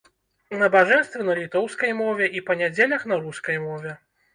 Набажэнствы на літоўскай мове і, па нядзелях, на рускай мове.